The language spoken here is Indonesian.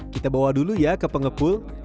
kita bawa dulu ya ke pengepul